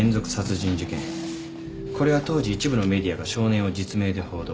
これは当時一部のメディアが少年を実名で報道。